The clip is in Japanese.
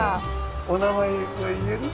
お名前は言える？